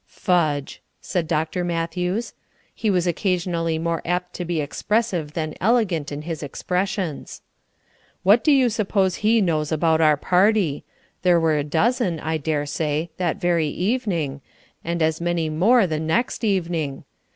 "Fudge!" said Dr. Matthews. He was occasionally more apt to be expressive than elegant in his expressions. "What do you suppose he knows about our party? There were a dozen, I dare say, that very evening, and as many more the next evening.